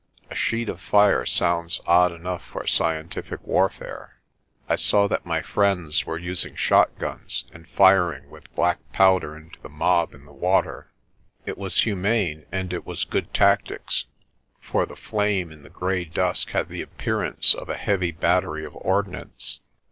"A sheet of fire" sounds odd enough for scientific warfare. I saw that my friends were using shotguns and firing with black powder into the mob in the water. It was humane and it was good tactics, for the flame in the grey dusk had the appearance of a heavy battery of ordnance.